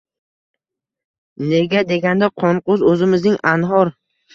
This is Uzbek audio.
Nega deganda, Qonqus o‘zimizning anhor.